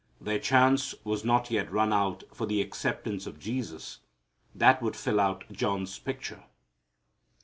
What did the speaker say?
Their chance was not yet run out for the acceptance of Jesus that would fill out John's picture.